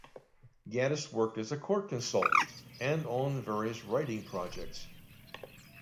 Gaddis worked as a court consultant and on various writing projects.